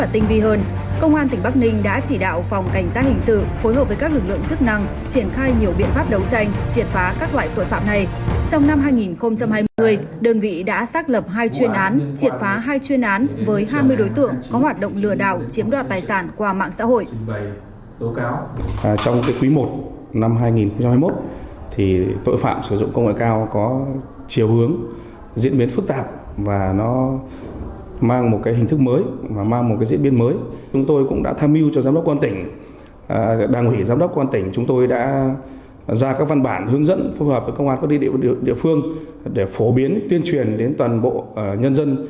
thời gian gần đây phòng cảnh sát hình sự công an tỉnh bắc ninh đã nhận được hai mươi năm đơn tố cáo của các đối tượng